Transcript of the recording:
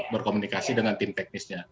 berkomunikasi dengan tim teknisnya